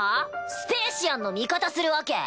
スペーシアンの味方するわけ？